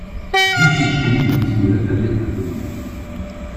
Dubourg promit de décider Lafayette à venir.